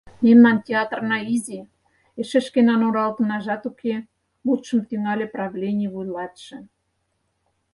— Мемнан театрна изи, эше шкенан оралтынажат уке, — мутшым тӱҥале правлений вуйлатыше.